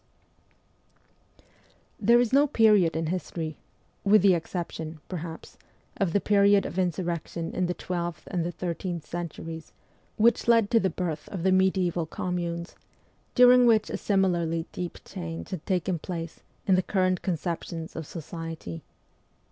WESTERN EUROPE 321 There is no period in history with the exception, perhaps, of the period of the insurrections in the twelfth and the thirteenth centuries (which led to the birth of the mediaeval Communes), during which a similarly deep change has taken place in the current conceptions of Society.